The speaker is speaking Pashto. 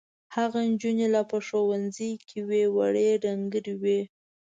هغه نجونې لا په ښوونځي کې وې وړې ډنګرې وې.